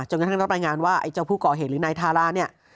กระทั่งรับรายงานว่าไอ้เจ้าผู้ก่อเหตุหรือนายทาราเนี่ย